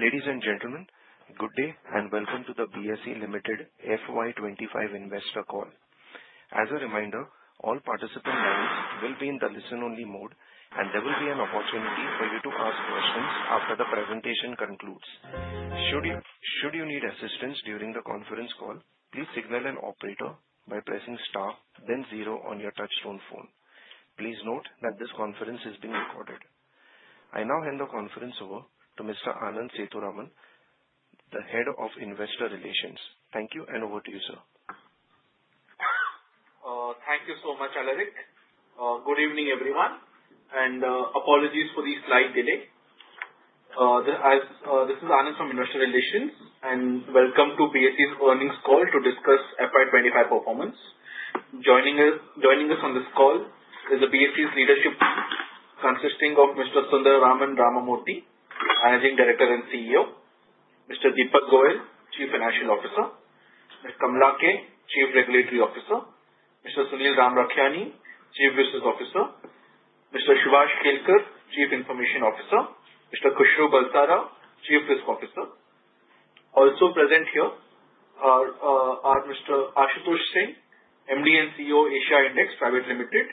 Ladies and gentlemen, good day and welcome to the BSE Limited FY25 Investor Call. As a reminder, all participant lines will be in the listen-only mode, and there will be an opportunity for you to ask questions after the presentation concludes. Should you need assistance during the conference call, please signal an operator by pressing star, then zero on your touch-tone phone. Please note that this conference is being recorded. I now hand the conference over to Mr. Anand Sethuraman, the Head of Investor Relations. Thank you, and over to you, sir. Thank you so much, Alaric. Good evening, everyone, and apologies for the slight delay. This is Anand Sethuraman from Investor Relations, and welcome to BSE's earnings call to discuss FY25 performance. Joining us on this call is the BSE's leadership team, consisting of Mr. Sundararaman Ramamurthy, Managing Director and CEO. Mr. Deepak Goel, Chief Financial Officer. Ms. Kamala K., Chief Regulatory Officer. Mr. Sunil Ramrakhiani, Chief Business Officer. Mr. Subhash Kelkar, Chief Information Officer. Mr. Khushro Bulsara, Chief Risk Officer. Also present here are Mr. Ashutosh Singh, MD and CEO, Asia Index Private Limited.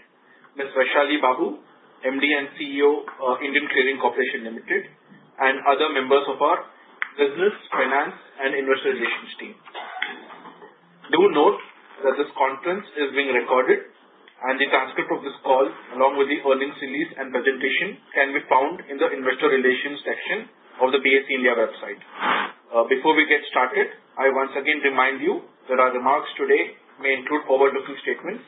Ms. Vaishali Babu, MD and CEO, Indian Clearing Corporation Limited. And other members of our Business, Finance, and Investor Relations team. Do note that this conference is being recorded, and the transcript of this call, along with the earnings release and presentation, can be found in the Investor Relations section of the BSE India website. Before we get started, I once again remind you that our remarks today may include forward-looking statements,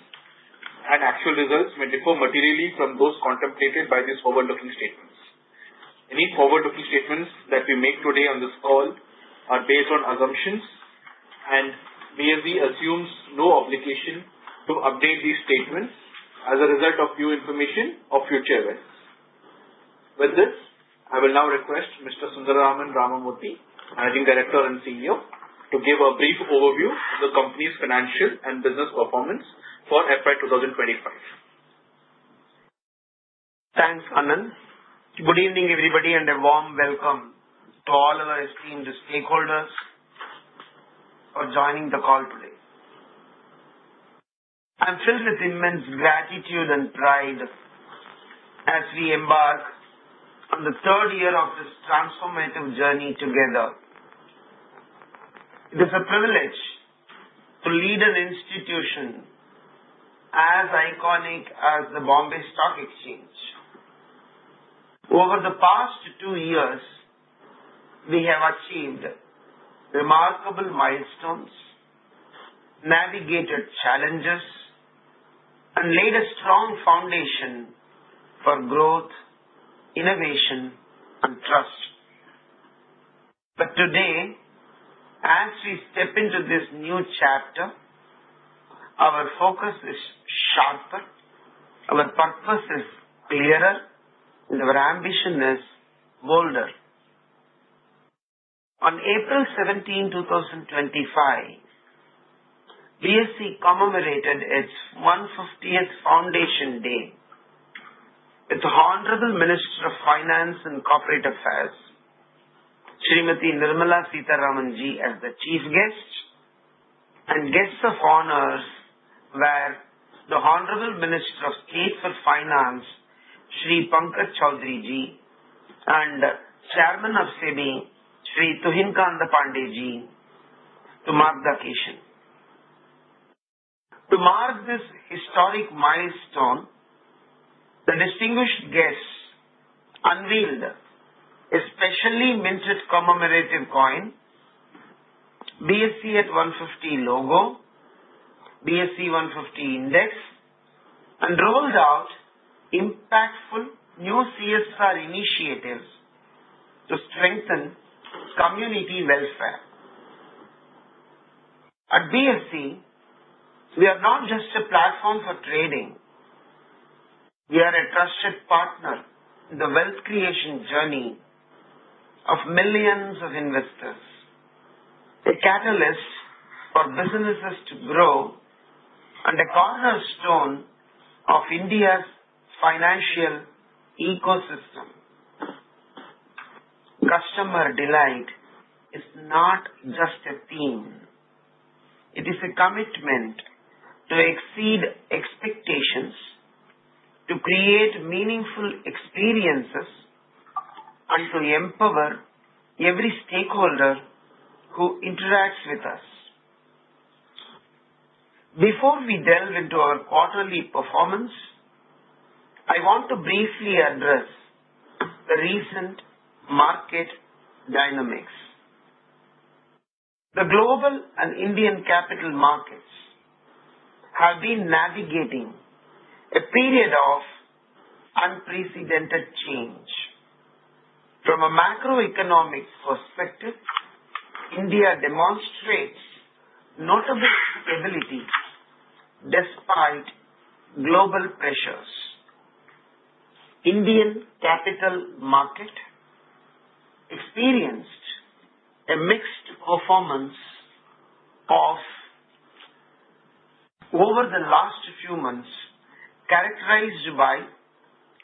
and actual results may differ materially from those contemplated by these forward-looking statements. Any forward-looking statements that we make today on this call are based on assumptions, and BSE assumes no obligation to update these statements as a result of new information or future events. With this, I will now request Mr. Sundararaman Ramamurthy, Managing Director and CEO, to give a brief overview of the company's financial and business performance for FY2025. Thanks, Anand. Good evening, everybody, and a warm welcome to all of our esteemed stakeholders for joining the call today. I'm filled with immense gratitude and pride as we embark on the third year of this transformative journey together. It is a privilege to lead an institution as iconic as the Bombay Stock Exchange. Over the past two years, we have achieved remarkable milestones, navigated challenges, and laid a strong foundation for growth, innovation, and trust. But today, as we step into this new chapter, our focus is sharper, our purpose is clearer, and our ambition is bolder. On April 17, 2025, BSE commemorated its 150th foundation day with the Honorable Minister of Finance and Corporate Affairs, Srimati Nirmala Sitharamanji, as the chief guest, and guests of honor were the Honorable Minister of State for Finance, Sri Pankaj Chaudharyji, and Chairman of SEBI, Sri Tuhin Kanta Pandeyji, to mark the occasion. To mark this historic milestone, the distinguished guests unveiled a specially minted commemorative coin, BSE at 150 logo, BSE 150 Index, and rolled out impactful new CSR initiatives to strengthen community welfare. At BSE, we are not just a platform for trading. We are a trusted partner in the wealth creation journey of millions of investors, a catalyst for businesses to grow, and a cornerstone of India's financial ecosystem. Customer delight is not just a theme. It is a commitment to exceed expectations, to create meaningful experiences, and to empower every stakeholder who interacts with us. Before we delve into our quarterly performance, I want to briefly address the recent market dynamics. The global and Indian capital markets have been navigating a period of unprecedented change. From a macroeconomic perspective, India demonstrates notable stability despite global pressures. The Indian capital market experienced a mixed performance over the last few months, characterized by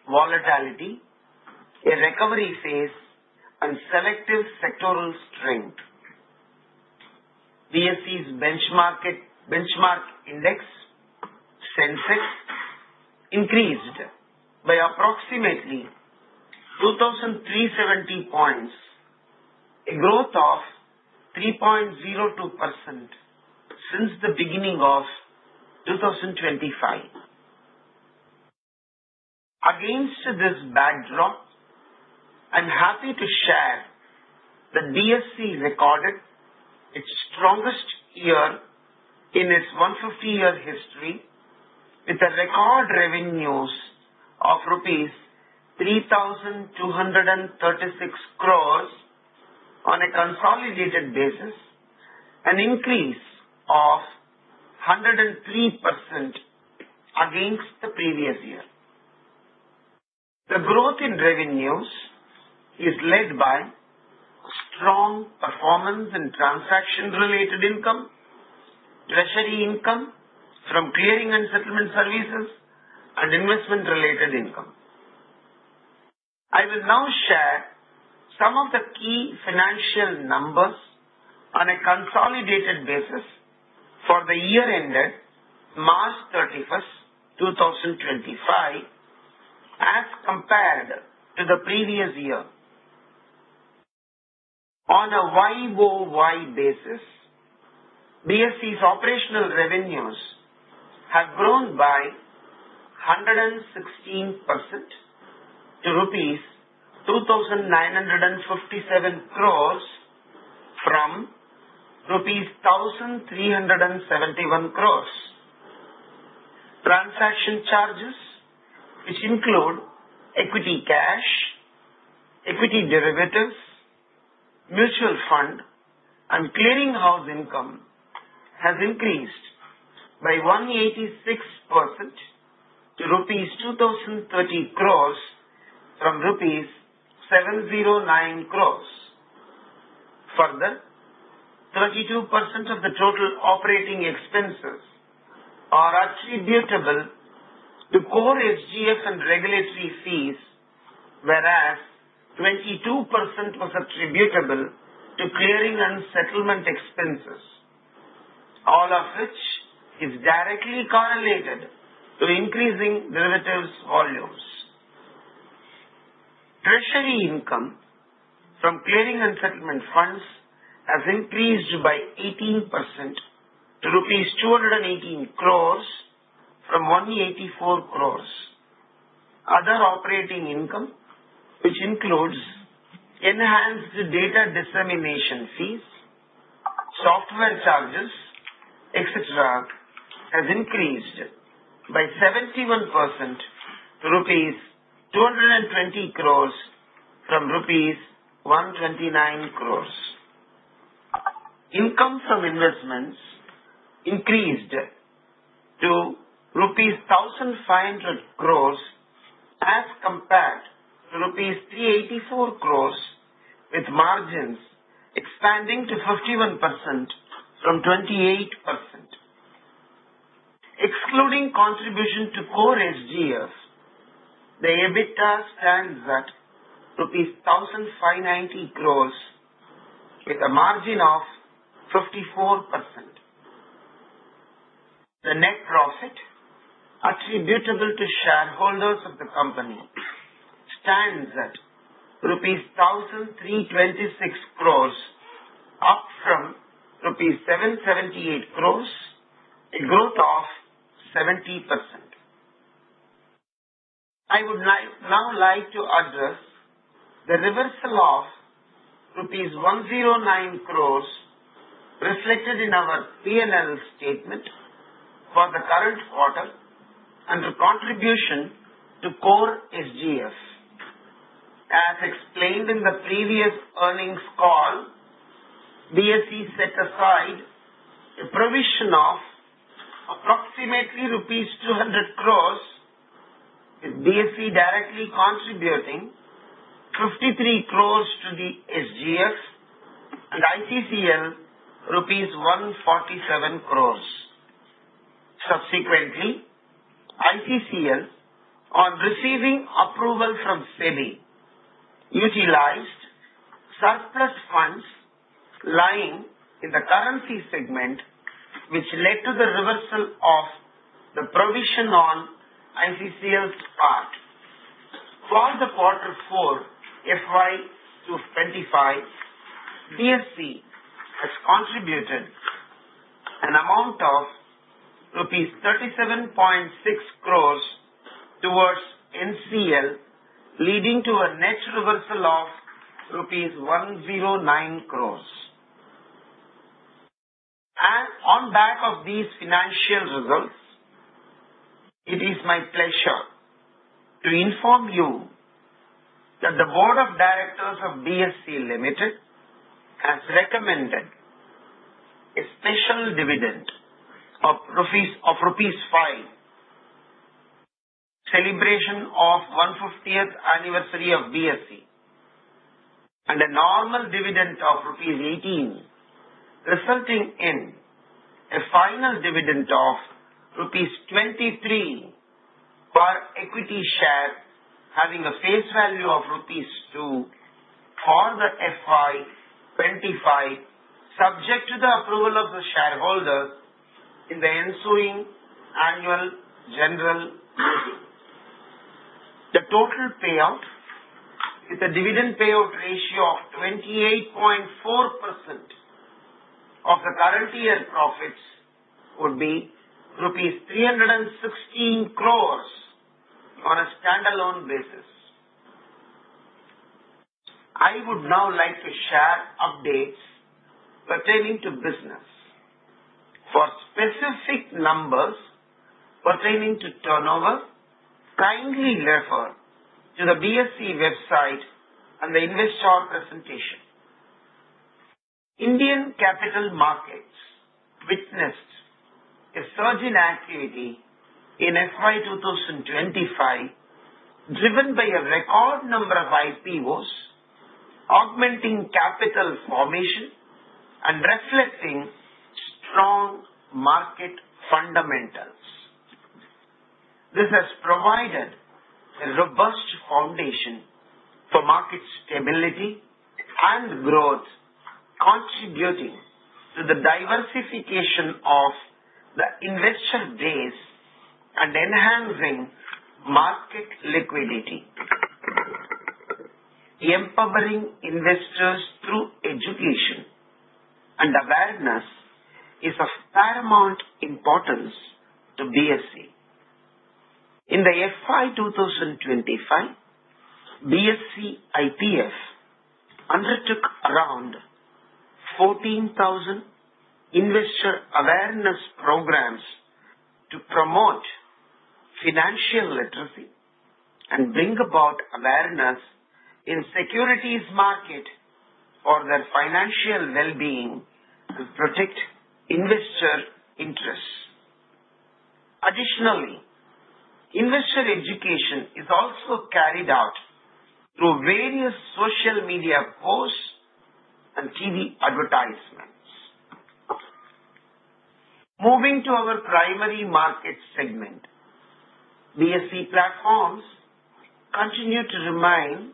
volatility, a recovery phase, and selective sectoral strength. BSE's benchmark index, Sensex, increased by approximately 2,370 points, a growth of 3.02% since the beginning of 2025. Against this backdrop, I'm happy to share that BSE recorded its strongest year in its 150-year history, with record revenues of rupees 3,236 crores on a consolidated basis, an increase of 103% against the previous year. The growth in revenues is led by strong performance in transaction-related income, treasury income from clearing and settlement services, and investment-related income. I will now share some of the key financial numbers on a consolidated basis for the year ended March 31, 2025, as compared to the previous year. On a Y-by-Y basis, BSE's operational revenues have grown by 116% to rupees 2,957 crores from rupees 1,371 crores. Transaction charges, which include equity cash, equity derivatives, mutual fund, and clearing house income, have increased by 186% to Rs. 2,030 crores from Rs. 709 crores. Further, 32% of the total operating expenses are attributable to Core SGF and regulatory fees, whereas 22% was attributable to clearing and settlement expenses, all of which is directly correlated to increasing derivatives volumes. Treasury income from clearing and settlement funds has increased by 18% to Rs. 218 crores from 184 crores. Other operating income, which includes enhanced data dissemination fees, software charges, etc., has increased by 71% to Rs. 220 crores from Rs. 129 crores. Income from investments increased to Rs. 1,500 crores as compared to Rs. 384 crores, with margins expanding to 51% from 28%. Excluding contribution to Core SGF, the EBITDA stands at Rs. 1,590 crores, with a margin of 54%. The net profit attributable to shareholders of the company stands at rupees 1,326 crores, up from rupees 778 crores, a growth of 70%. I would now like to address the reversal of rupees 109 crores reflected in our P&L statement for the current quarter under contribution to Core SGF. As explained in the previous earnings call, BSE set aside a provision of approximately INR 200 crores, with BSE directly contributing 53 crores to the SGF and ICCL INR 147 crores. Subsequently, ICCL, on receiving approval from SEBI, utilized surplus funds lying in the currency segment, which led to the reversal of the provision on ICCL's part. For the quarter 4 FY25, BSE has contributed an amount of rupees 37.6 crores towards ICCL, leading to a net reversal of rupees 109 crores. On back of these financial results, it is my pleasure to inform you that the Board of Directors of BSE Limited has recommended a special dividend of rupees 5, celebration of 150th anniversary of BSE, and a normal dividend of rupees 18, resulting in a final dividend of rupees 23 per equity share, having a face value of rupees 2 for the FY 2025, subject to the approval of the shareholders in the ensuing annual general meeting. The total payout, with a dividend payout ratio of 28.4% of the current year profits, would be rupees 316 crores on a standalone basis. I would now like to share updates pertaining to business. For specific numbers pertaining to turnover, kindly refer to the BSE website and the Investor presentation. Indian capital markets witnessed a surge in equity in FY2025, driven by a record number of IPOs, augmenting capital formation and reflecting strong market fundamentals. This has provided a robust foundation for market stability and growth, contributing to the diversification of the investor base and enhancing market liquidity. The empowering investors through education and awareness is of paramount importance to BSE. In the FY2025, BSE IPF undertook around 14,000 investor awareness programs to promote financial literacy and bring about awareness in securities market for their financial well-being to protect investor interests. Additionally, investor education is also carried out through various social media posts and TV advertisements. Moving to our primary market segment, BSE platforms continue to remain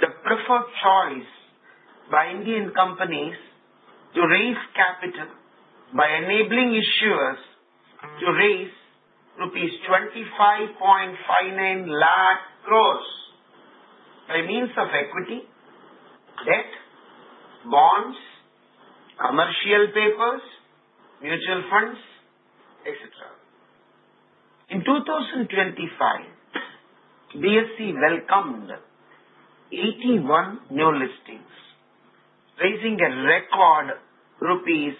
the preferred choice by Indian companies to raise capital by enabling issuers to raise rupees 25.59 lakh crores by means of equity, debt, bonds, commercial papers, mutual funds, etc. In 2025, BSE welcomed 81 new listings, raising a record rupees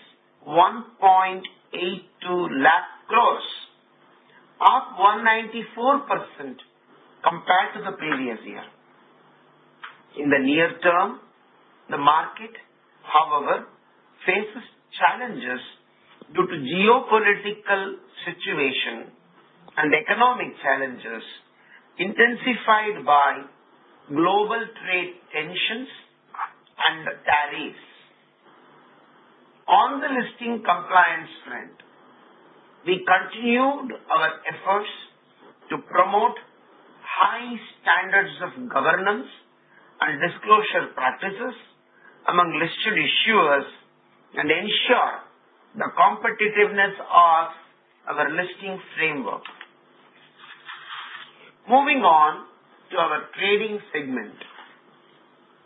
1.82 lakh crores, up 194% compared to the previous year. In the near term, the market, however, faces challenges due to geopolitical situation and economic challenges intensified by global trade tensions and tariffs. On the listing compliance front, we continued our efforts to promote high standards of governance and disclosure practices among listed issuers and ensure the competitiveness of our listing framework. Moving on to our trading segment,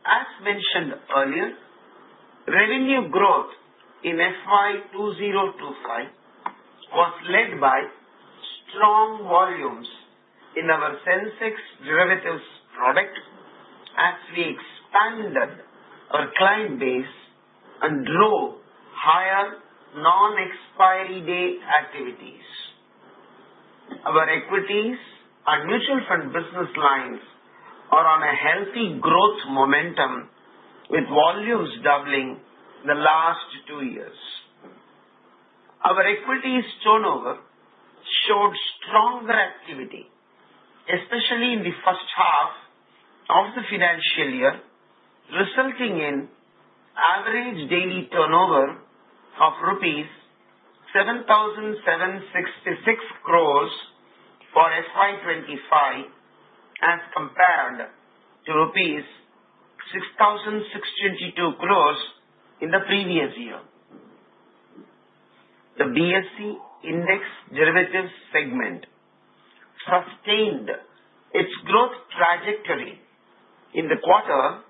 as mentioned earlier, revenue growth in FY2025 was led by strong volumes in our Sensex derivatives product as we expanded our client base and drove higher non-expiry date activities. Our equities and mutual fund business lines are on a healthy growth momentum, with volumes doubling in the last two years. Our equity turnover showed stronger activity, especially in the first half of the financial year, resulting in average daily turnover of rupees 7,766 crores for FY25 as compared to rupees 6,062 crores in the previous year. The BSE Index derivatives segment sustained its growth trajectory in the quarter,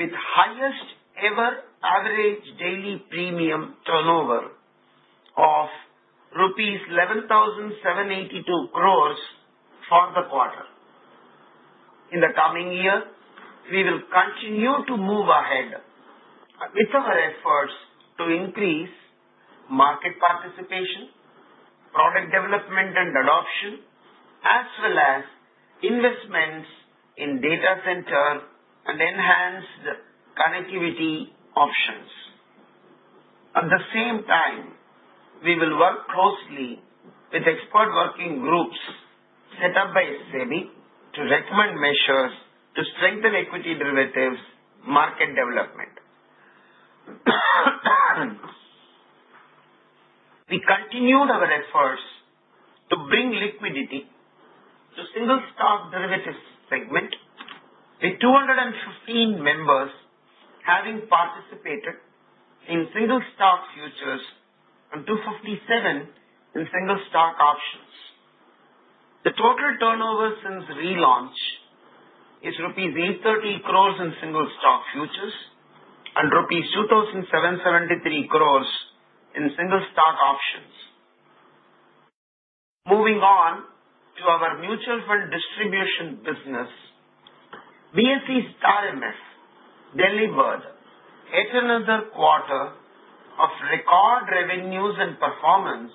with highest-ever average daily premium turnover of rupees 11,782 crores for the quarter. In the coming year, we will continue to move ahead with our efforts to increase market participation, product development and adoption, as well as investments in data center and enhanced connectivity options. At the same time, we will work closely with expert working groups set up by SEBI to recommend measures to strengthen equity derivatives market development. We continued our efforts to bring liquidity to single stock derivatives segment, with 215 members having participated in single stock futures and 257 in single stock options. The total turnover since relaunch is rupees 830 crores in single stock futures and rupees 2,773 crores in single stock options. Moving on to our mutual fund distribution business, BSE StAR MF delivered yet another quarter of record revenues and performance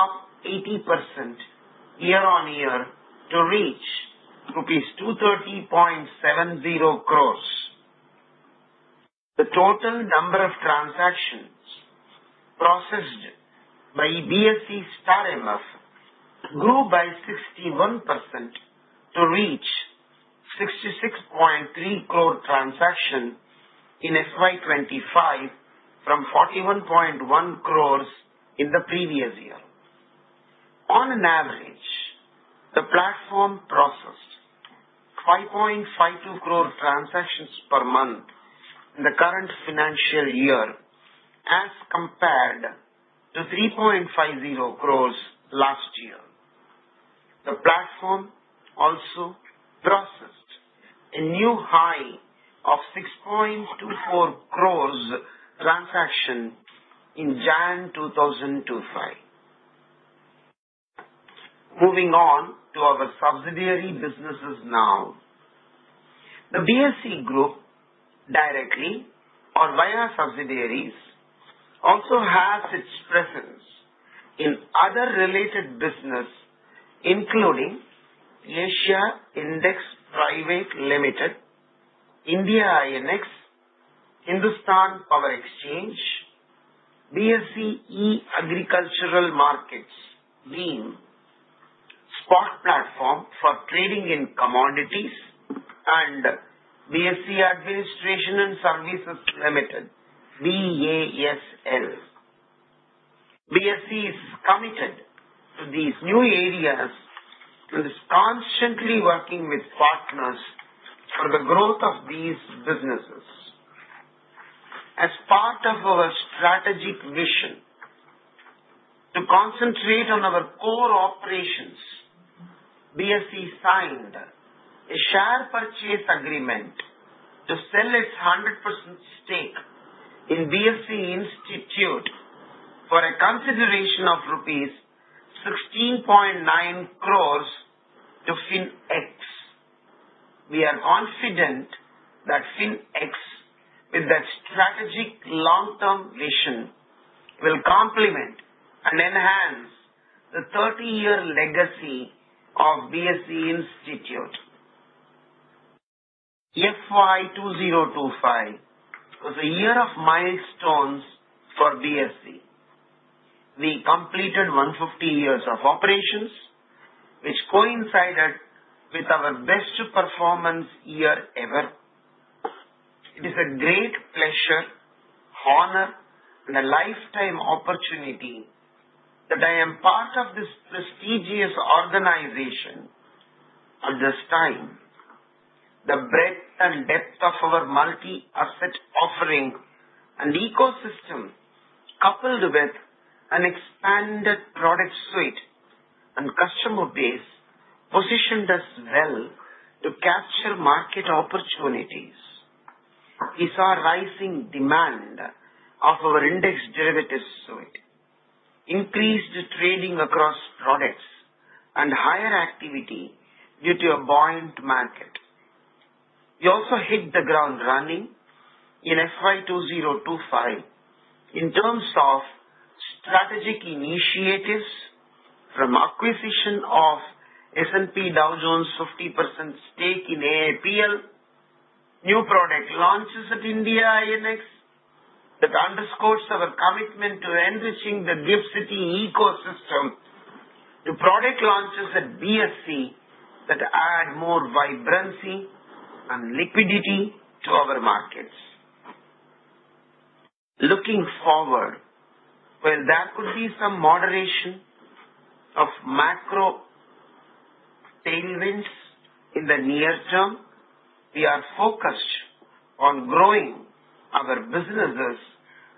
up 80% year-on-year to reach rupees 230.70 crores. The total number of transactions processed by BSE StAR MF grew by 61% to reach 66.3 crore transactions in FY25 from 41.1 crores in the previous year. On average, the platform processed 5.52 crore transactions per month in the current financial year as compared to 3.50 crores last year. The platform also processed a new high of 6.24 crores transaction in January 2025. Moving on to our subsidiary businesses now, the BSE Group, directly or via subsidiaries, also has its presence in other related businesses, including Asia Index Private Limited, India INX, Hindustan Power Exchange, BSE E-Agricultural Markets Ltd (BEAM), spot platform for trading in commodities, and BSE Administration & Supervision Limited (BASL). BSE is committed to these new areas and is constantly working with partners for the growth of these businesses. As part of our strategic mission to concentrate on our core operations, BSE signed a share purchase agreement to sell its 100% stake in BSE Institute for a consideration of rupees 16.9 crores to FinX. We are confident that FinX, with that strategic long-term vision, will complement and enhance the 30-year legacy of BSE Institute. FY2025 was a year of milestones for BSE. We completed 150 years of operations, which coincided with our best performance year ever. It is a great pleasure, honor, and a lifetime opportunity that I am part of this prestigious organization at this time. The breadth and depth of our multi-asset offering and ecosystem, coupled with an expanded product suite and customer base, positioned us well to capture market opportunities. We saw rising demand of our index derivatives suite, increased trading across products, and higher activity due to a buoyant market. We also hit the ground running in FY2025 in terms of strategic initiatives from acquisition of S&P Dow Jones 50% stake in AIPL, new product launches at India INX that underscores our commitment to enriching the GIFT City ecosystem through product launches at BSE that add more vibrancy and liquidity to our markets. Looking forward, while there could be some moderation of macro tailwinds in the near term, we are focused on growing our businesses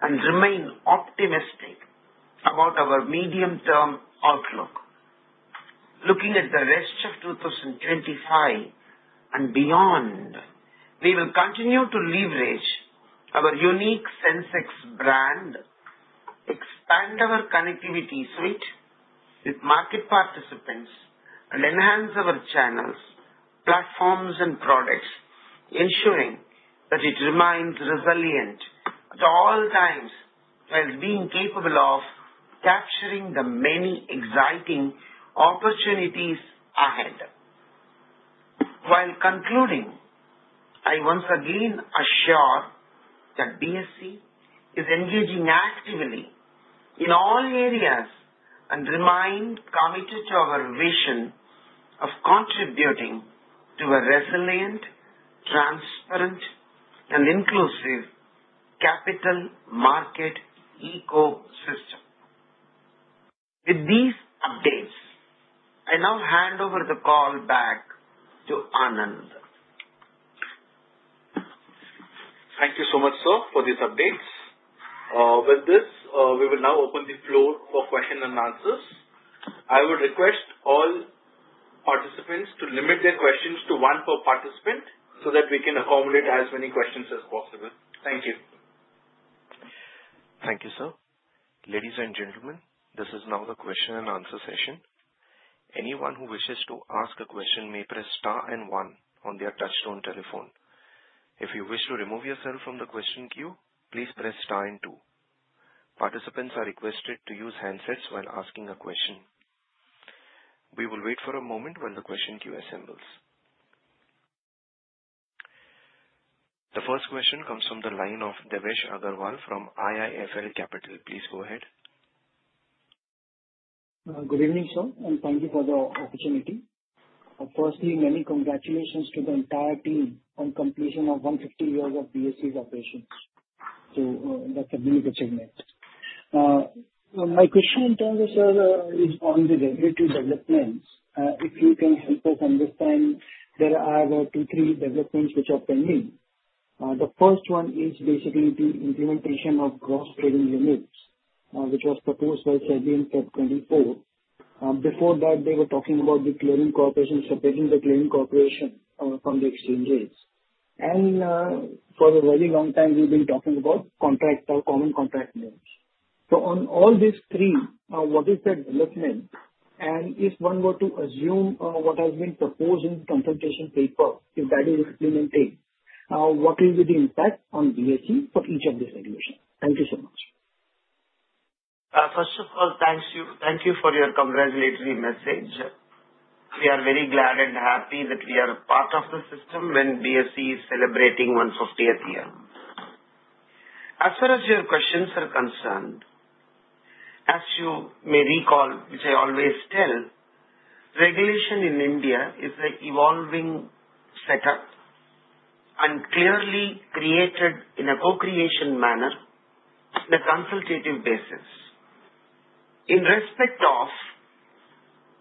and remain optimistic about our medium-term outlook. Looking at the rest of 2025 and beyond, we will continue to leverage our unique Sensex brand, expand our connectivity suite with market participants, and enhance our channels, platforms, and products, ensuring that it remains resilient at all times while being capable of capturing the many exciting opportunities ahead. While concluding, I once again assure that BSE is engaging actively in all areas and remains committed to our vision of contributing to a resilient, transparent, and inclusive capital market ecosystem. With these updates, I now hand over the call back to Anand. Thank you so much, sir, for these updates. With this, we will now open the floor for questions and answers. I would request all participants to limit their questions to one per participant so that we can accommodate as many questions as possible. Thank you. Thank you, sir. Ladies and gentlemen, this is now the question and answer session. Anyone who wishes to ask a question may press Star and One on their touch-tone telephone. If you wish to remove yourself from the question queue, please press Star and Two. Participants are requested to use handsets while asking a question. We will wait for a moment while the question queue assembles. The first question comes from the line of Devesh Agarwal from IIFL Securities. Please go ahead. Good evening, sir, and thank you for the opportunity. Firstly, many congratulations to the entire team on completion of 150 years of BSE's operations in the commodity segment. My question in terms of, sir, is on the derivatives developments. If you can help us understand, there are two, three developments which are pending. The first one is basically the implementation of cross-trading units, which was proposed by SEBI in April 2024. Before that, they were talking about the clearing corporation, separating the clearing corporation from the exchanges. And for a very long time, we've been talking about common contract note. So on all these three, what is the development? And if one were to assume what has been proposed in the consultation paper, if that is implemented, what will be the impact on BSE for each of these regulations? Thank you so much. First of all, thank you for your congratulatory message. We are very glad and happy that we are part of the system when BSE is celebrating 150th year. As far as your questions are concerned, as you may recall, which I always tell, regulation in India is an evolving setup and clearly created in a co-creation manner on a consultative basis. In respect of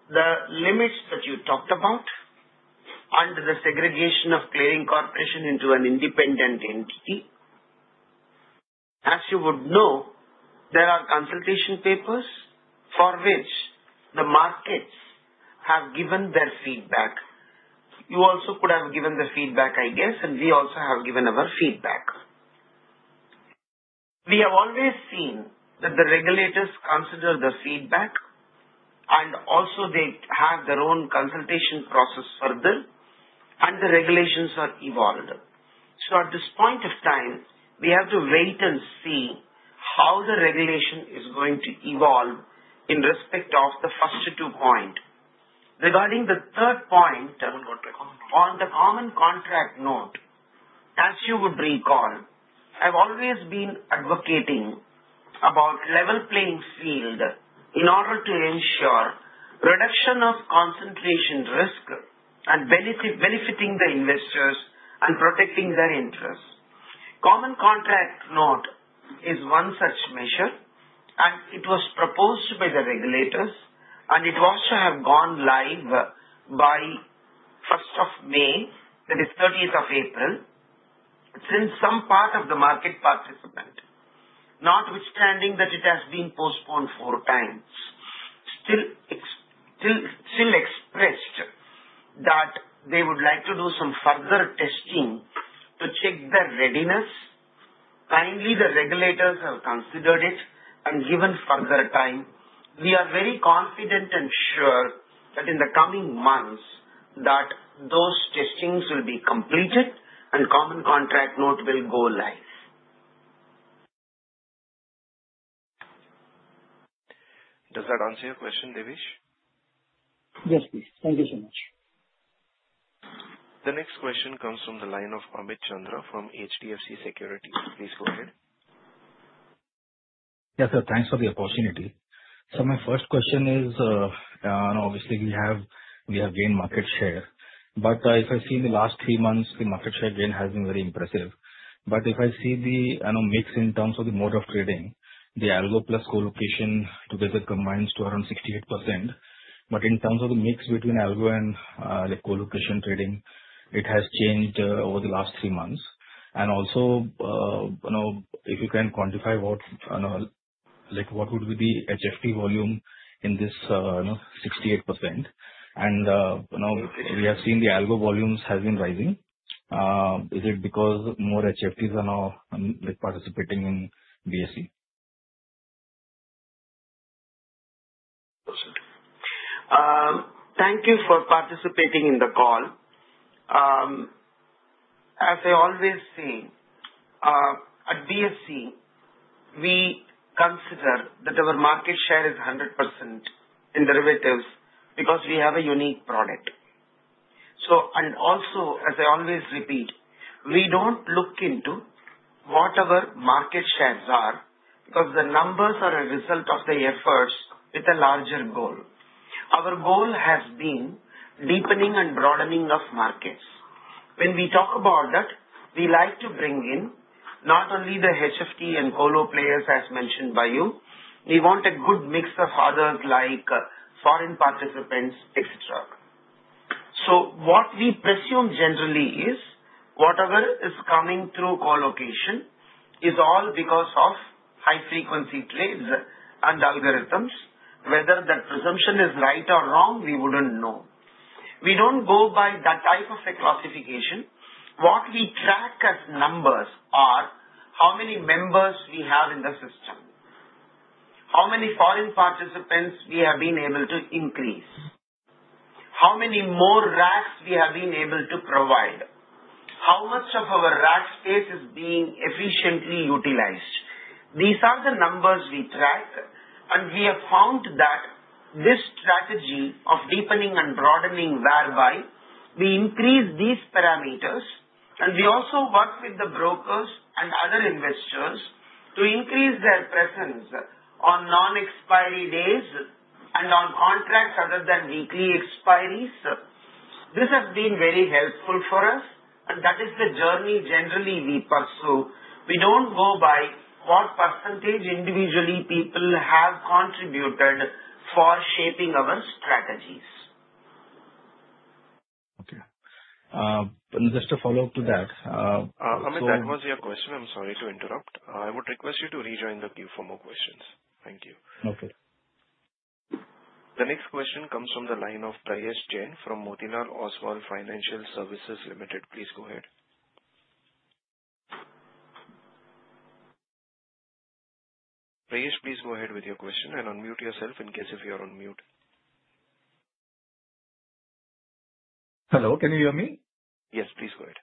the limits that you talked about under the segregation of clearing corporation into an independent entity, as you would know, there are consultation papers for which the markets have given their feedback. You also could have given the feedback, I guess, and we also have given our feedback. We have always seen that the regulators consider the feedback, and also they have their own consultation process further, and the regulations are evolved. So at this point of time, we have to wait and see how the regulation is going to evolve in respect of the first two points. Regarding the third point on the Common Contract Note, as you would recall, I've always been advocating about level playing field in order to ensure reduction of concentration risk and benefiting the investors and protecting their interests. Common Contract Note is one such measure, and it was proposed by the regulators, and it was to have gone live by 1st of May, that is 30th of April, since some part of the market participant, notwithstanding that it has been postponed four times, still expressed that they would like to do some further testing to check their readiness. Kindly, the regulators have considered it and given further time. We are very confident and sure that in the coming months that those testings will be completed and Common Contract Note will go live. Does that answer your question, Devesh? Yes, please. Thank you so much. The next question comes from the line of Amit Chandra from HDFC Securities. Please go ahead. Yes, sir, thanks for the opportunity. So my first question is, obviously, we have gained market share. But if I see in the last three months, the market share gain has been very impressive. But if I see the mix in terms of the mode of trading, the algo plus colocation together combines to around 68%. But in terms of the mix between algo and colocation trading, it has changed over the last three months. And also, if you can quantify what would be the HFT volume in this 68%? And we have seen the algo volumes have been rising. Is it because more HFTs are now participating in BSE? Thank you for participating in the call. As I always say, at BSE, we consider that our market share is 100% in derivatives because we have a unique product. And also, as I always repeat, we don't look into what our market shares are because the numbers are a result of the efforts with a larger goal. Our goal has been deepening and broadening of markets. When we talk about that, we like to bring in not only the HFT and colo players as mentioned by you. We want a good mix of others like foreign participants, etc. So what we presume generally is whatever is coming through colocation is all because of high-frequency trades and algorithms. Whether that presumption is right or wrong, we wouldn't know. We don't go by that type of a classification. What we track as numbers are how many members we have in the system, how many foreign participants we have been able to increase, how many more racks we have been able to provide, how much of our rack space is being efficiently utilized. These are the numbers we track, and we have found that this strategy of deepening and broadening whereby we increase these parameters, and we also work with the brokers and other investors to increase their presence on non-expiry days and on contracts other than weekly expiries. This has been very helpful for us, and that is the journey generally we pursue. We don't go by what percentage individually people have contributed for shaping our strategies. Okay. Just a follow-up to that. Amit, that was your question. I'm sorry to interrupt. I would request you to rejoin the queue for more questions. Thank you. The next question comes from the line of Prayesh Jain from Motilal Oswal Financial Services Limited. Please go ahead. Prayesh, please go ahead with your question and unmute yourself in case if you're on mute. Hello. Can you hear me? Yes, please go ahead.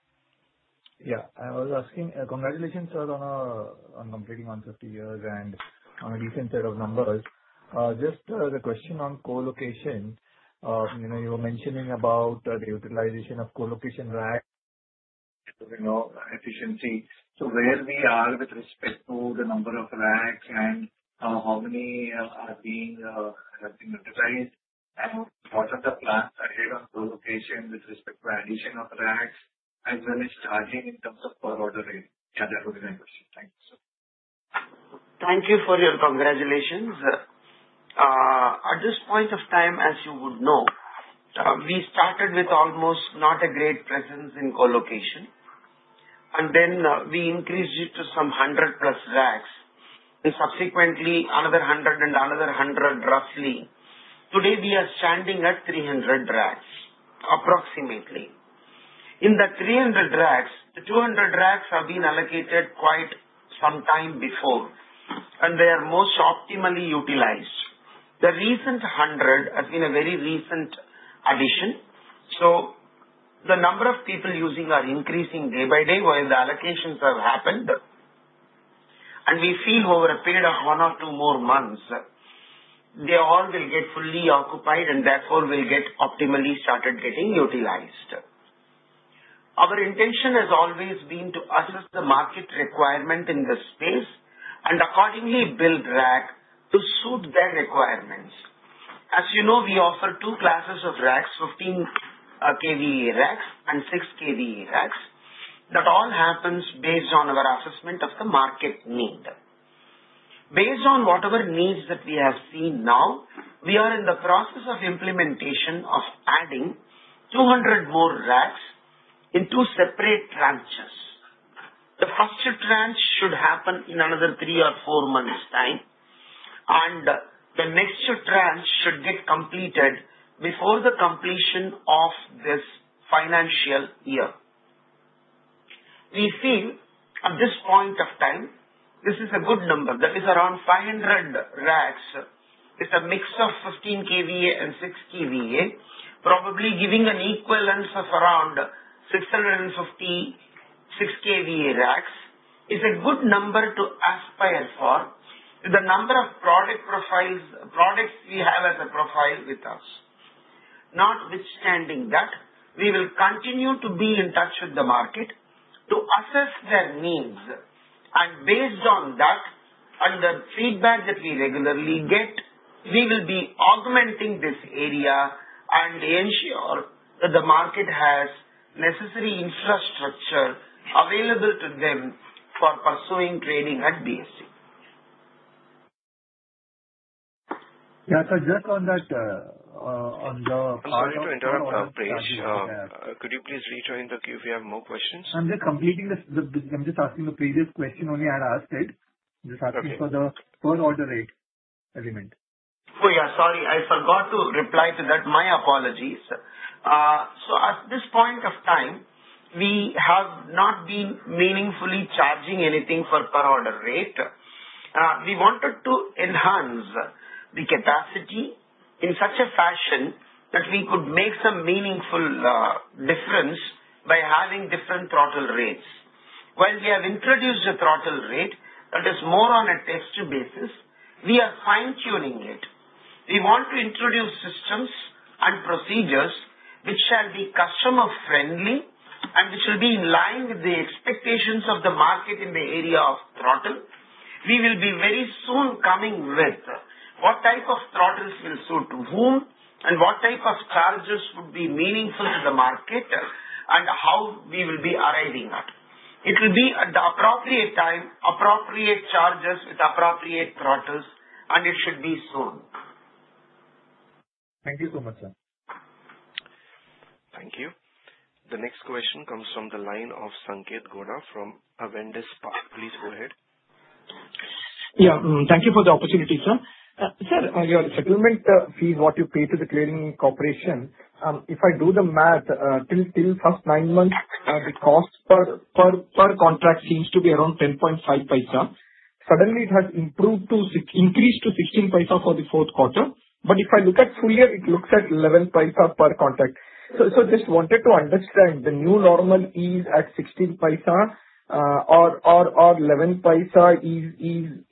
Yeah. I was asking, congratulations, sir, on completing 150 years and on a decent set of numbers. Just the question on colocation, you were mentioning about the utilization of colocation racks to bring out efficiency. So where we are with respect to the number of racks and how many are being utilized, and what are the plans ahead on colocation with respect to addition of racks as well as charging in terms of per order rate? Yeah, that would be my question. Thank you, sir. Thank you for your congratulations. At this point of time, as you would know, we started with almost not a great presence in colocation, and then we increased it to some 100-plus racks and subsequently another 100 and another 100 roughly. Today, we are standing at 300 racks approximately. In the 300 racks, the 200 racks have been allocated quite some time before, and they are most optimally utilized. The recent 100 has been a very recent addition. So the number of people using are increasing day by day while the allocations have happened, and we feel over a period of one or two more months, they all will get fully occupied and therefore will get optimally started getting utilized. Our intention has always been to assess the market requirement in the space and accordingly build rack to suit their requirements. As you know, we offer two classes of racks, 15 kVA racks and 6 kVA racks. That all happens based on our assessment of the market need. Based on whatever needs that we have seen now, we are in the process of implementation of adding 200 more racks into separate tranches. The first tranche should happen in another three or four months' time, and the next tranche should get completed before the completion of this financial year. We feel at this point of time, this is a good number. That is around 500 racks with a mix of 15 kVA and 6 kVA, probably giving an equivalence of around 650 6 kVA racks is a good number to aspire for with the number of product profiles we have as a profile with us. Notwithstanding that, we will continue to be in touch with the market to assess their needs. Based on that, and the feedback that we regularly get, we will be augmenting this area and ensure that the market has necessary infrastructure available to them for pursuing trading at BSE. Yeah. So just on that. Sorry to interrupt, Prayesh. Could you please rejoin the queue if you have more questions? I'm just asking the previous question only. I had asked it. I'm just asking for the per order rate element. Oh, yeah. Sorry. I forgot to reply to that. My apologies. So at this point of time, we have not been meaningfully charging anything for per order rate. We wanted to enhance the capacity in such a fashion that we could make some meaningful difference by having different throttle rates. While we have introduced a throttle rate that is more on a test basis, we are fine-tuning it. We want to introduce systems and procedures which shall be customer-friendly and which will be in line with the expectations of the market in the area of throttle. We will be very soon coming with what type of throttles will suit whom and what type of charges would be meaningful to the market and how we will be arriving at. It will be at the appropriate time, appropriate charges with appropriate throttles, and it should be soon. Thank you so much, sir. Thank you. The next question comes from the line of Sanketh Godha from Avendus Spark. Please go ahead. Yeah. Thank you for the opportunity, sir. Sir, your settlement fee, what you pay to the clearing corporation, if I do the math, till first nine months, the cost per contract seems to be around 0.105. Suddenly, it has increased to 0.16 for the fourth quarter. But if I look at full year, it looks at 0.11 per contract. So I just wanted to understand the new normal is at 0.16 or 0.11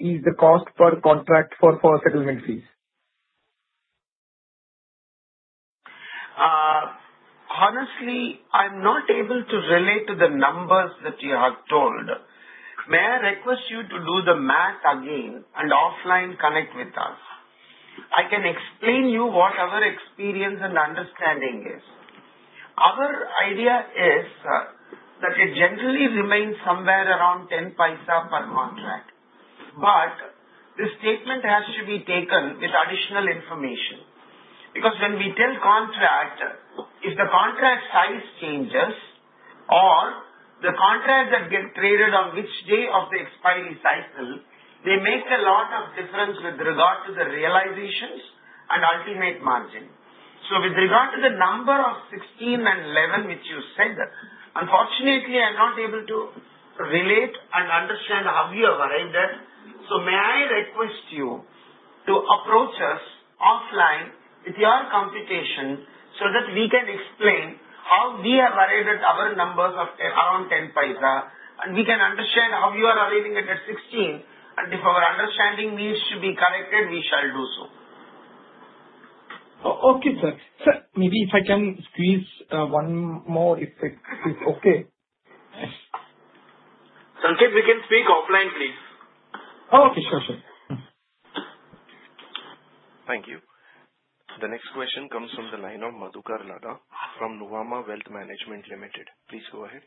is the cost per contract for settlement fees? Honestly, I'm not able to relate to the numbers that you have told. May I request you to do the math again and offline connect with us? I can explain to you what our experience and understanding is. Our idea is that it generally remains somewhere around 0.10 per contract. But the statement has to be taken with additional information. Because when we tell contract, if the contract size changes or the contract that gets traded on which day of the expiry cycle, they make a lot of difference with regard to the realizations and ultimate margin. So with regard to the number of 16 and 11 which you said, unfortunately, I'm not able to relate and understand how you have arrived at. May I request you to approach us offline with your computation so that we can explain how we have arrived at our numbers of around 0.10, and we can understand how you are arriving at 0.16, and if our understanding needs to be corrected, we shall do so. Okay, sir. Sir, maybe if I can squeeze one more if it's okay? Sanketh, we can speak offline, please. Okay. Sure, sure. Thank you. The next question comes from the line of Madhukar Ladha from Nuvama Wealth Management Limited. Please go ahead.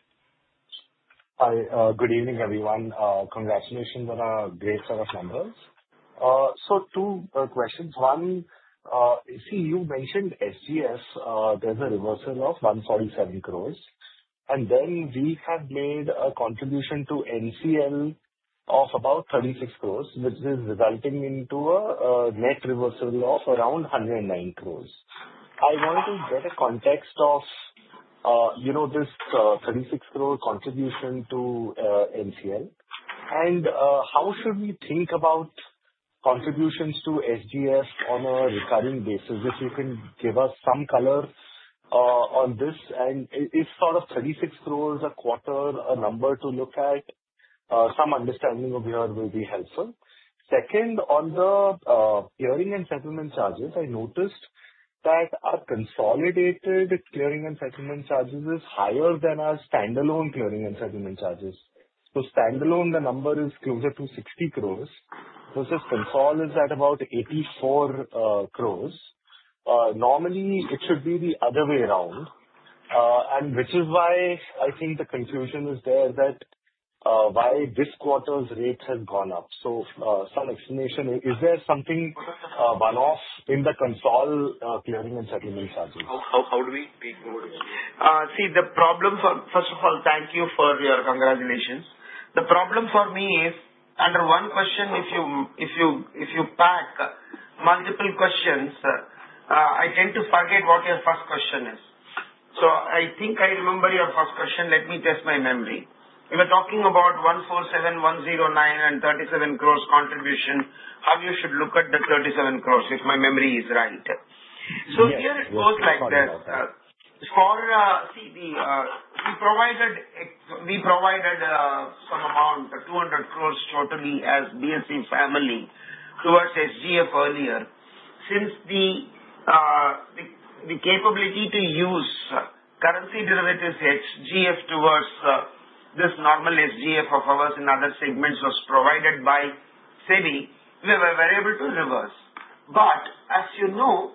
Hi. Good evening, everyone. Congratulations on a great set of numbers. So two questions. One, you mentioned SGS. There's a reversal of 147 crores. And then we have made a contribution to ICCL of about 36 crores, which is resulting into a net reversal of around 109 crores. I wanted to get a context of this 36 crore contribution to ICCL. And how should we think about contributions to SGS on a recurring basis? If you can give us some color on this, and if sort of 36 crores a quarter, a number to look at, some understanding of yours will be helpful. Second, on the clearing and settlement charges, I noticed that our consolidated clearing and settlement charges is higher than our standalone clearing and settlement charges. So standalone, the number is closer to 60 crores versus consolidated is at about 84 crores. Normally, it should be the other way around, and which is why I think the confusion is there that why this quarter's rate has gone up. So, some explanation. Is there something one-off in the consolidated clearing and settlement charges? How do we? See, the problem, first of all, thank you for your congratulations. The problem for me is under one question, if you pack multiple questions, I tend to forget what your first question is. So I think I remember your first question. Let me test my memory. You were talking about 147, 109, and 37 crores contribution, how you should look at the 37 crores if my memory is right. So here it goes like this. See, we provided some amount, 200 crores totally as BSE family towards SGF earlier. Since the capability to use currency derivatives SGF towards this normal SGF of ours in other segments was provided by SEBI, we were able to reverse. But as you know,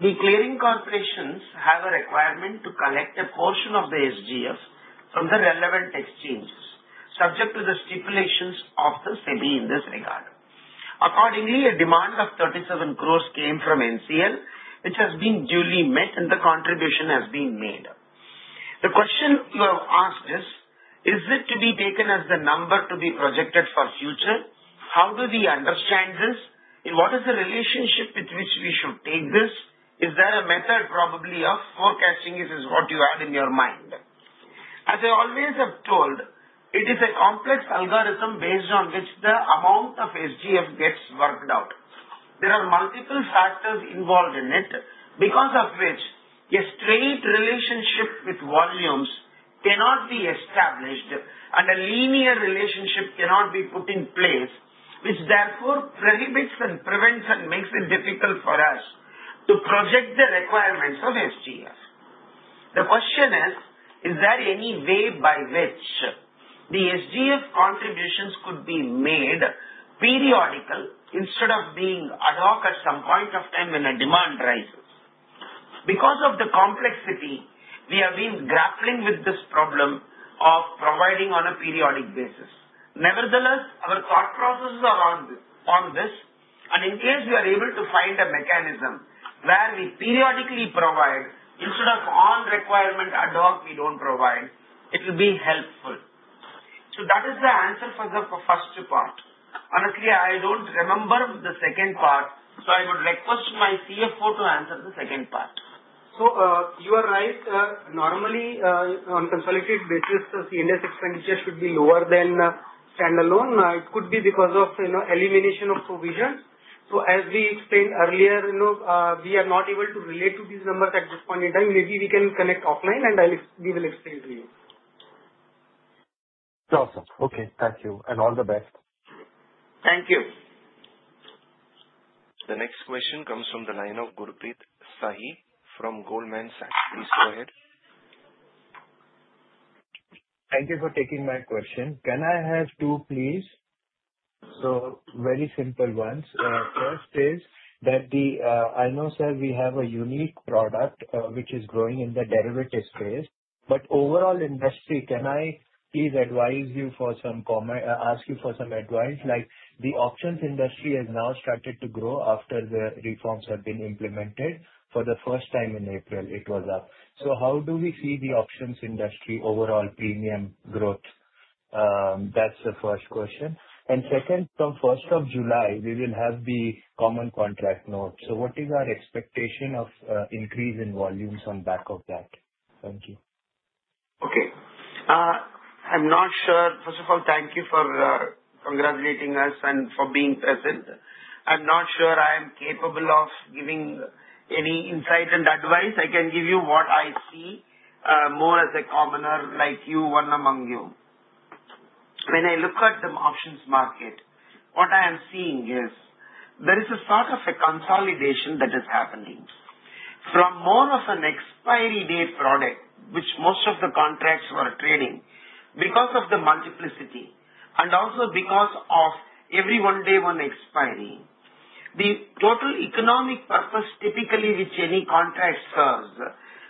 the clearing corporations have a requirement to collect a portion of the SGF from the relevant exchanges subject to the stipulations of the SEBI in this regard. Accordingly, a demand of 37 crores came from NCL, which has been duly met, and the contribution has been made. The question you have asked is, is it to be taken as the number to be projected for future? How do we understand this? What is the relationship with which we should take this? Is there a method probably of forecasting this is what you had in your mind? As I always have told, it is a complex algorithm based on which the amount of SGF gets worked out. There are multiple factors involved in it because of which a straight relationship with volumes cannot be established, and a linear relationship cannot be put in place, which therefore prohibits and prevents and makes it difficult for us to project the requirements of SGF. The question is, is there any way by which the SGF contributions could be made periodical instead of being ad hoc at some point of time when a demand rises? Because of the complexity, we have been grappling with this problem of providing on a periodic basis. Nevertheless, our thought processes are on this. And in case we are able to find a mechanism where we periodically provide instead of on requirement ad hoc, we don't provide, it will be helpful. So that is the answer for the first part. Honestly, I don't remember the second part, so I would request my CFO to answer the second part. So you are right. Normally, on consolidated basis, the CNS expenditure should be lower than standalone. It could be because of elimination of provisions. So as we explained earlier, we are not able to relate to these numbers at this point in time. Maybe we can connect offline, and we will explain to you. No, sir. Okay. Thank you. And all the best. Thank you. The next question comes from the line of Gurpreet Sahi from Goldman Sachs. Please go ahead. Thank you for taking my question. Can I have two, please? So very simple ones. First is that I know, sir, we have a unique product which is growing in the derivative space. But overall industry, can I please advise you for some comment, ask you for some advice? The options industry has now started to grow after the reforms have been implemented. For the first time in April, it was up. So how do we see the options industry overall premium growth? That's the first question. And second, from 1st of July, we will have the Common Contract Note. So what is our expectation of increase in volumes on back of that? Thank you. Okay. I'm not sure. First of all, thank you for congratulating us and for being present. I'm not sure I am capable of giving any insight and advice. I can give you what I see more as a commoner like you, one among you. When I look at the options market, what I am seeing is there is a sort of a consolidation that is happening from more of an expiry date product, which most of the contracts were trading because of the multiplicity and also because of every one-day one expiry. The total economic purpose typically which any contract serves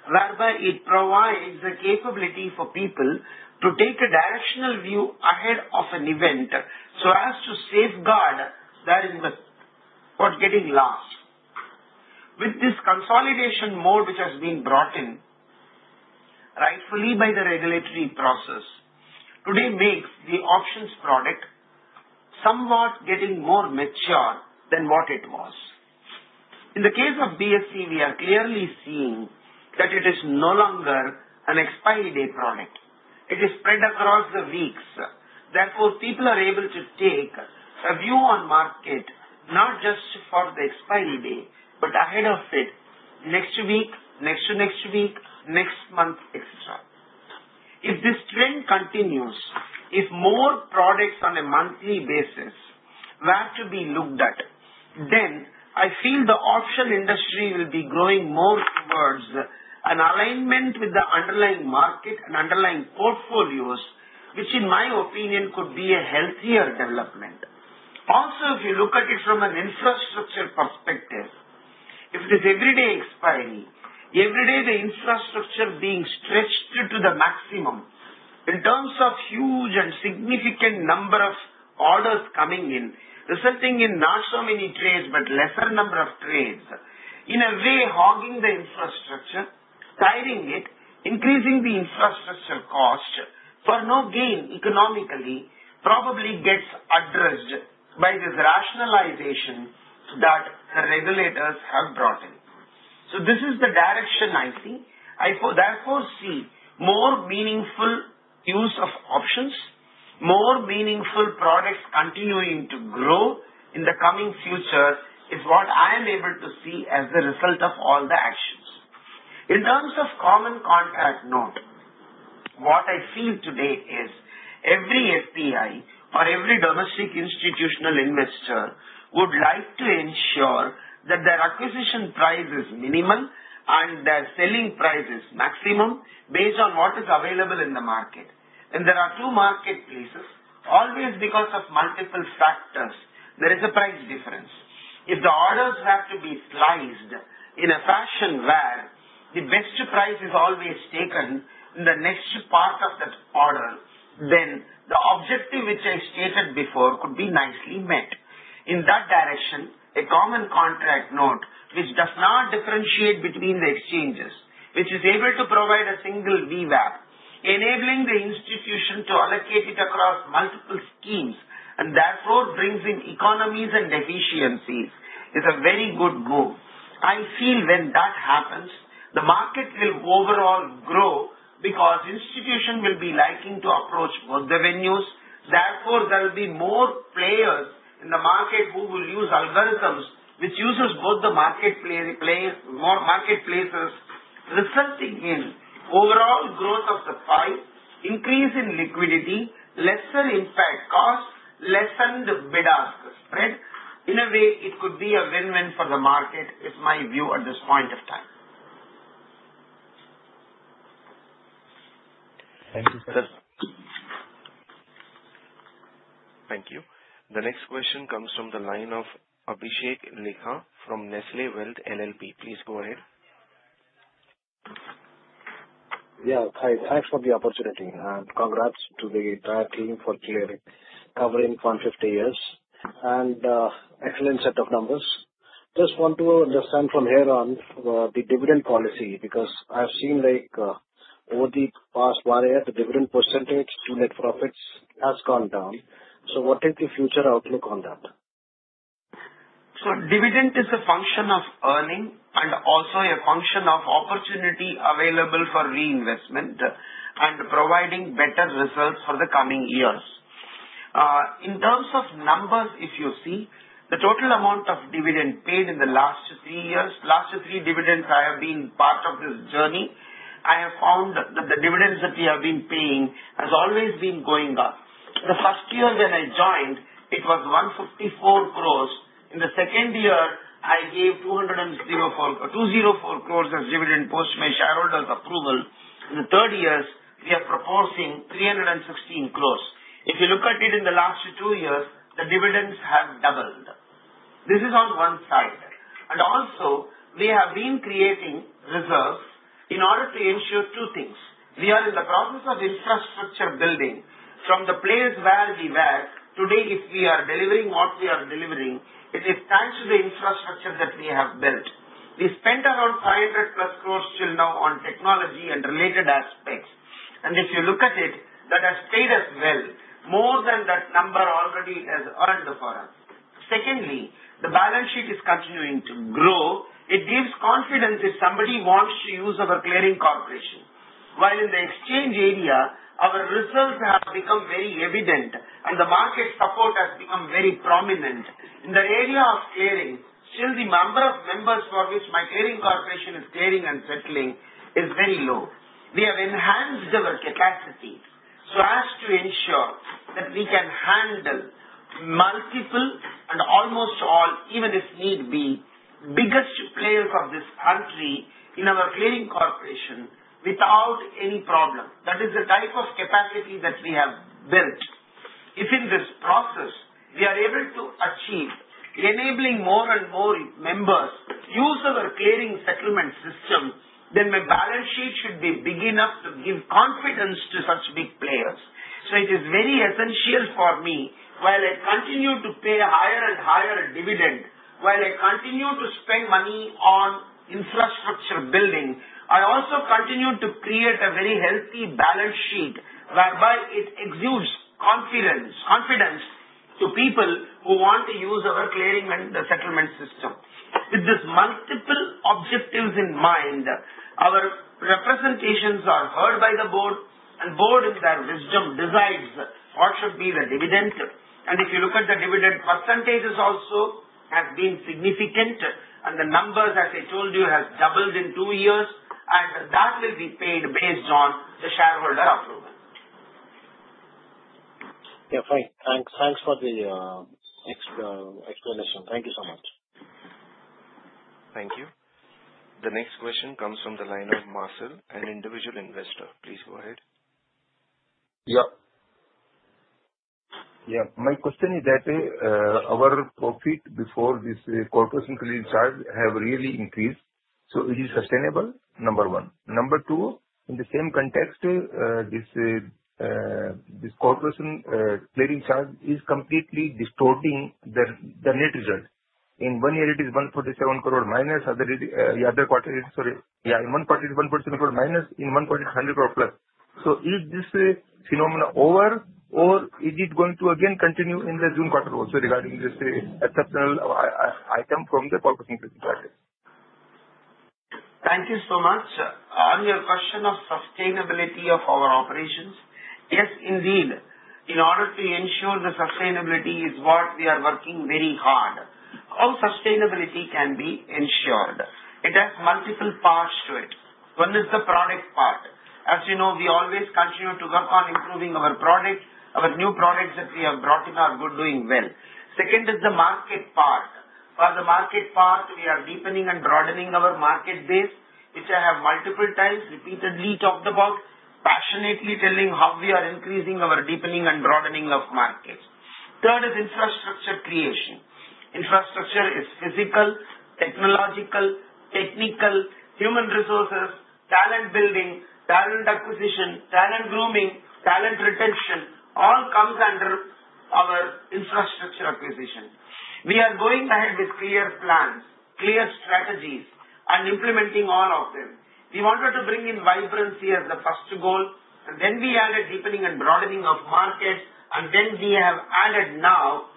whereby it provides the capability for people to take a directional view ahead of an event so as to safeguard their investment for getting last. With this consolidation mode which has been brought in rightfully by the regulatory process, today makes the options product somewhat getting more mature than what it was. In the case of BSE, we are clearly seeing that it is no longer an expiry date product. It is spread across the weeks. Therefore, people are able to take a view on market not just for the expiry day, but ahead of it, next week, next to next week, next month, etc. If this trend continues, if more products on a monthly basis were to be looked at, then I feel the option industry will be growing more towards an alignment with the underlying market and underlying portfolios, which in my opinion could be a healthier development. Also, if you look at it from an infrastructure perspective, if it is everyday expiry, everyday the infrastructure being stretched to the maximum in terms of huge and significant number of orders coming in, resulting in not so many trades, but lesser number of trades, in a way hogging the infrastructure, tiring it, increasing the infrastructure cost for no gain economically probably gets addressed by this rationalization that the regulators have brought in. So this is the direction I see. I therefore see more meaningful use of options, more meaningful products continuing to grow in the coming future is what I am able to see as the result of all the actions. In terms of Common Contract Note, what I feel today is every FPI or every domestic institutional investor would like to ensure that their acquisition price is minimal and their selling price is maximum based on what is available in the market, and there are two marketplaces. Always, because of multiple factors, there is a price difference. If the orders have to be sliced in a fashion where the best price is always taken in the next part of that order, then the objective which I stated before could be nicely met. In that direction, a Common Contract Note which does not differentiate between the exchanges, which is able to provide a single VWAP, enabling the institution to allocate it across multiple schemes and therefore brings in economies and efficiencies is a very good move. I feel when that happens, the market will overall grow because institutions will be likely to approach both the venues. Therefore, there will be more players in the market who will use algorithms which use both the marketplaces resulting in overall growth of the pie, increase in liquidity, lesser impact cost, lesser bid-ask spread. In a way, it could be a win-win for the market, is my view at this point of time. Thank you, sir. Thank you. The next question comes from the line of Abhishek Leher from Niveshaay Investment Advisors. Please go ahead. Yeah. Thanks for the opportunity. And congrats to the entire team for covering 150 years and excellent set of numbers. Just want to understand from here on the dividend policy because I've seen over the past one year, the dividend percentage, unit profits has gone down. So what is the future outlook on that? Dividend is a function of earning and also a function of opportunity available for reinvestment and providing better results for the coming years. In terms of numbers, if you see, the total amount of dividend paid in the last three years, last three dividends, I have been part of this journey. I have found that the dividends that we have been paying has always been going up. The first year when I joined, it was 154 crores. In the second year, I gave 204 crores as dividend post my shareholders' approval. In the third year, we are proposing 316 crores. If you look at it in the last two years, the dividends have doubled. This is on one side. And also, we have been creating reserves in order to ensure two things. We are in the process of infrastructure building from the place where we were. Today, if we are delivering what we are delivering, it is thanks to the infrastructure that we have built. We spent around 500 crore plus till now on technology and related aspects, and if you look at it, that has paid us well. More than that number already has earned for us. Secondly, the balance sheet is continuing to grow. It gives confidence if somebody wants to use our clearing corporation. While in the exchange area, our results have become very evident and the market support has become very prominent. In the area of clearing, still the number of members for which my clearing corporation is clearing and settling is very low. We have enhanced our capacity so as to ensure that we can handle multiple and almost all, even if need be, biggest players of this country in our clearing corporation without any problem. That is the type of capacity that we have built. If in this process, we are able to achieve enabling more and more members use our clearing and settlement system, then my balance sheet should be big enough to give confidence to such big players. So it is very essential for me while I continue to pay a higher and higher dividend, while I continue to spend money on infrastructure building, I also continue to create a very healthy balance sheet whereby it exudes confidence to people who want to use our clearing and settlement system. With these multiple objectives in mind, our representations are heard by the board, and the board in their wisdom decides what should be the dividend. And if you look at the dividend percentages also, it has been significant, and the numbers, as I told you, have doubled in two years, and that will be paid based on the shareholder approval. Yeah. Thanks. Thanks for the explanation. Thank you so much. Thank you. The next question comes from the line of Marcel, an individual investor. Please go ahead. Yeah. Yeah. My question is that our profit before this clearing corporation charge has really increased. So is it sustainable? Number one. Number two, in the same context, this clearing corporation charge is completely distorting the net result. In one year, it is 147 crore minus other quarter. Sorry. Yeah. In one quarter, it's 147 crore minus. In one quarter, it's 100 crore plus. So is this phenomenon over, or is it going to again continue in the June quarter also regarding this exceptional item from the clearing corporation charge? Thank you so much. On your question of sustainability of our operations, yes, indeed, in order to ensure the sustainability is what we are working very hard. How sustainability can be ensured? It has multiple parts to it. One is the product part. As you know, we always continue to work on improving our product. Our new products that we have brought in are good, doing well. Second is the market part. For the market part, we are deepening and broadening our market base, which I have multiple times repeatedly talked about, passionately telling how we are increasing our deepening and broadening of markets. Third is infrastructure creation. Infrastructure is physical, technological, technical, human resources, talent building, talent acquisition, talent grooming, talent retention. All comes under our infrastructure acquisition. We are going ahead with clear plans, clear strategies, and implementing all of them. We wanted to bring in vibrancy as the first goal, and then we added deepening and broadening of markets, and then we have added now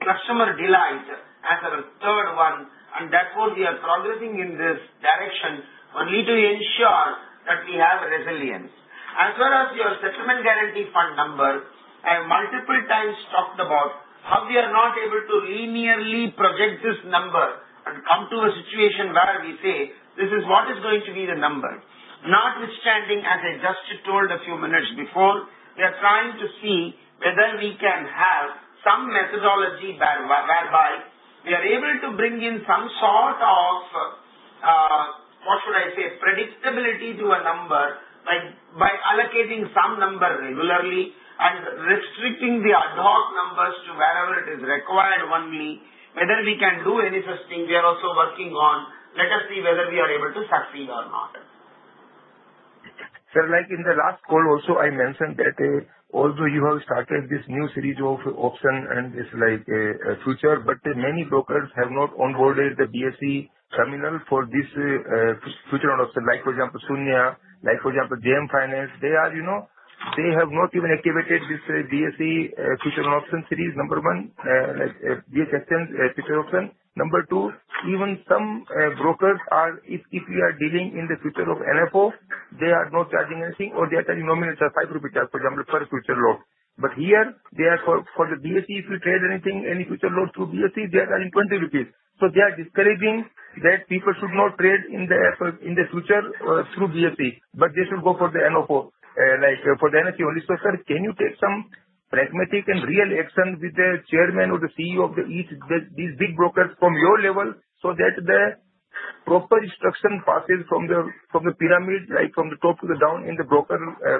customer delight as our third one, and therefore, we are progressing in this direction only to ensure that we have resilience. As well as your settlement guarantee fund number, I have multiple times talked about how we are not able to linearly project this number and come to a situation where we say, "This is what is going to be the number." Notwithstanding, as I just told a few minutes before, we are trying to see whether we can have some methodology whereby we are able to bring in some sort of, what should I say, predictability to a number by allocating some number regularly and restricting the ad hoc numbers to wherever it is required only. Whether we can do any such thing, we are also working on. Let us see whether we are able to succeed or not. Sir, in the last call also, I mentioned that although you have started this new series of options and this future, but many brokers have not onboarded the BSE terminal for this future option. For example, Shoonya, for example, JM Financial, they have not even activated this BSE future option series. Number one, BSE's future option. Number two, even some brokers, if we are dealing in the future of NFO, they are not charging anything, or they are charging nominal charge, INR 5 for example, per future lot. But here, for the BSE, if you trade anything, any future lot through BSE, they are charging 20 rupees. So they are discouraging that people should not trade in the future through BSE, but they should go for the NFO, for the NFO only. So, sir, can you take some pragmatic and real action with the Chairman or the CEO of these big brokers from your level so that the proper instruction passes from the pyramid, from the top to the down in the broker,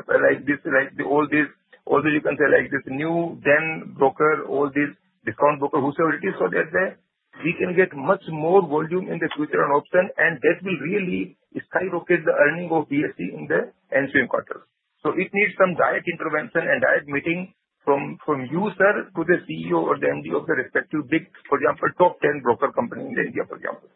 like all these, you can say, like this new, then broker, all these discount broker, whosoever it is, so that we can get much more volume in the future on option, and that will really skyrocket the earnings of BSE in the ensuing quarters. So it needs some direct intervention and direct meeting from you, sir, to the CEO or the MD of the respective big, for example, top 10 broker company in India, for example.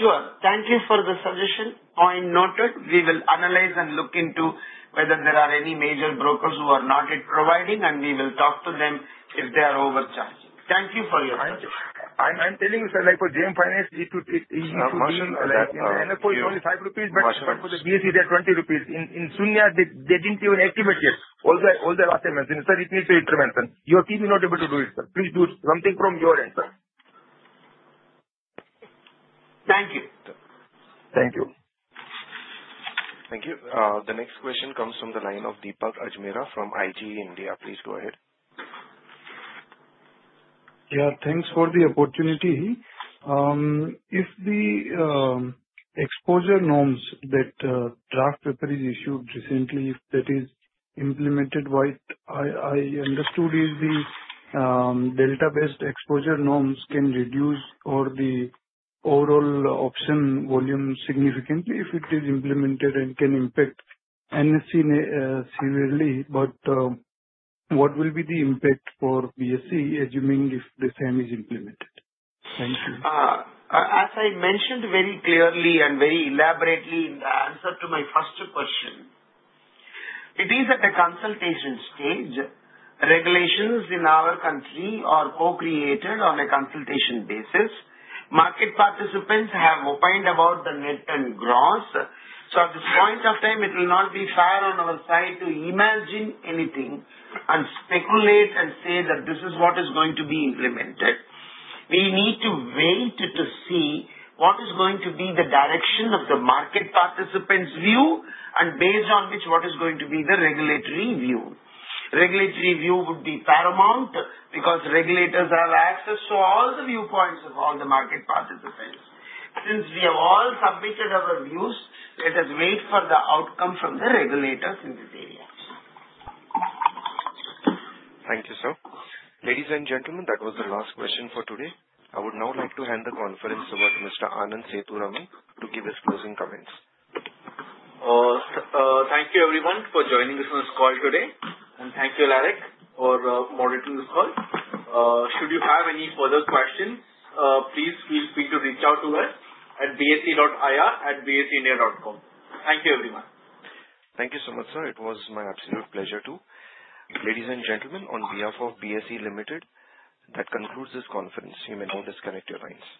Sure. Thank you for the suggestion. Point noted. We will analyze and look into whether there are any major brokers who are not providing, and we will talk to them if they are overcharging. Thank you for your time. Thank you. I'm telling you, sir, for JM Financial, it is INR 20. NFO is only 5 rupees, but for the BSE, they are 20 rupees. In Shoonya, they didn't even activate yet. All the last I mentioned, sir, it needs intervention. Your team is not able to do it, sir. Please do something from your end, sir. Thank you. Thank you. Thank you. The next question comes from the line of Deepak Ajmera from IGE India. Please go ahead. Yeah. Thanks for the opportunity. If the exposure norms that the draft paper is issued recently, if that is implemented, what I understood is the delta-based exposure norms can reduce the overall option volume significantly if it is implemented and can impact NFO severely. But what will be the impact for BSE, assuming if the same is implemented? Thank you. As I mentioned very clearly and very elaborately in the answer to my first question, it is at the consultation stage, regulations in our country are co-created on a consultation basis. Market participants have opined about the net and gross. So at this point of time, it will not be fair on our side to imagine anything and speculate and say that this is what is going to be implemented. We need to wait to see what is going to be the direction of the market participants' view and based on which what is going to be the regulatory view. Regulatory view would be paramount because regulators have access to all the viewpoints of all the market participants. Since we have all submitted our views, let us wait for the outcome from the regulators in this area. Thank you, sir. Ladies and gentlemen, that was the last question for today. I would now like to hand the conference over to Mr. Anand Sethuraman to give his closing comments. Thank you, everyone, for joining us on this call today, and thank you, Alaric, for moderating this call. Should you have any further questions, please feel free to reach out to us at bse.ir@bseindia.com. Thank you, everyone. Thank you so much, sir. It was my absolute pleasure to. Ladies and gentlemen, on behalf of BSE Limited, that concludes this conference. You may now disconnect your lines.